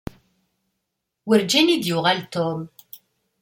Werǧin i d-yuɣal Tom.